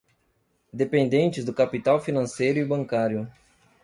dependentes do capital financeiro e bancário